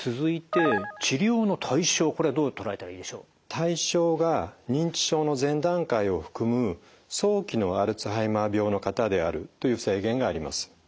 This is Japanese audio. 対象が認知症の前段階を含む早期のアルツハイマー病の方であるという制限があります。